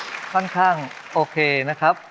ก็ค่อนข้างโอเคนะครับ